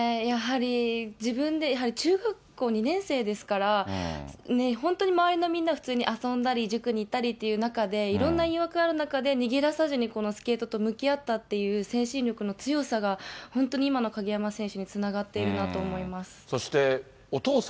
やはり自分で、中学校２年生ですから、本当に周りのみんなが普通に遊んだり、塾に行ったりという中で、いろんな誘惑がある中で、逃げださずにスケートと向き合ったという精神力の強さが本当に今の鍵山選手につながっているなと思います。